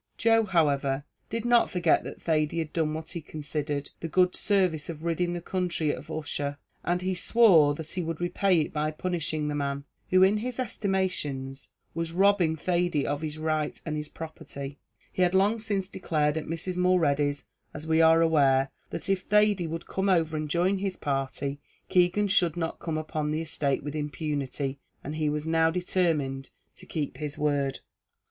Joe, however, did not forget that Thady had done what he considered the good service of ridding the country of Ussher, and he swore that he would repay it by punishing the man, who in his estimation was robbing Thady of his right and his property; he had long since declared at Mrs. Mulready's, as we are aware, that if Thady would come over and join his party, Keegan should not come upon the estate with impunity, and he was now determined to keep his word.